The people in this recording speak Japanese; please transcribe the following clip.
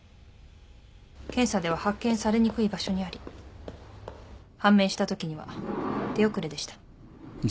検査では発見されにくい場所にあり判明したときには手遅れでした。